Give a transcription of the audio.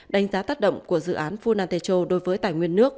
đánh giá tác động của dự án phunanetro đối với tài nguyên nước